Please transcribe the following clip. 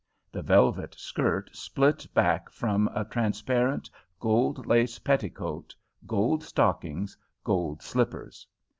The velvet skirt split back from a transparent gold lace petticoat, gold stockings, gold slippers.